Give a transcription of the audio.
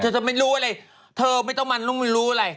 จะไม่รู้อะไรเธอไม่ต้องมารู้อะไร